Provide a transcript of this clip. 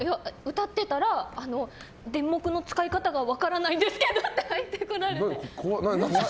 歌ってたらデンモクの使い方が分からないんですけど入ってこられて。